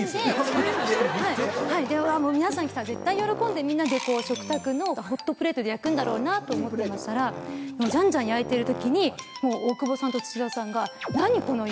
皆さん来たら絶対喜んで食卓のホットプレートで焼くんだろうなと思ってましたらじゃんじゃん焼いてる時に大久保さんと土田さんが。